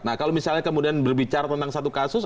nah kalau misalnya kemudian berbicara tentang satu kasus